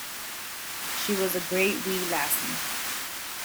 She was a great wee lassie.